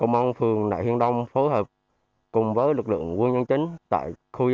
hiện nay công an phường nại hiên đông phối hợp cùng với lực lượng quân nhân chính tại khu dân cư